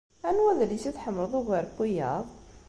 Anwa adlis i tḥemmleḍ ugar n wiyaḍ?